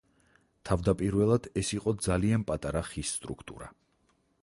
თავდაპირველად ეს იყო ძალიან პატარა ხის სტრუქტურა.